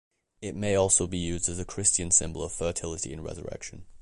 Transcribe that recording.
It may also be used as a Christian symbol of fertility and resurrection.